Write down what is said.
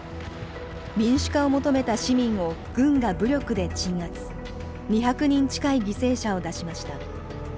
民主化を求めた市民を軍が武力で鎮圧２００人近い犠牲者を出しました。